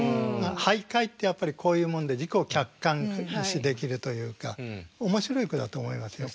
俳諧ってやっぱりこういうもので自己客観視できるというか面白い句だと思いますよ